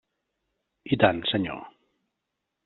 I tant, senyor.